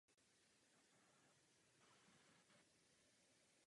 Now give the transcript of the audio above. Hrajeme spolu tedy hru.